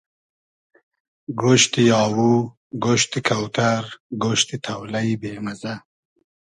گۉشتی آوو, گۉشتی کۆتئر, گۉشتی تۆلݷ بې مئزۂ